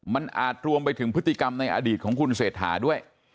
มันอาจรวมไปถึงพฤติกรรมในอดีตของคุณเศรษฐาด้วย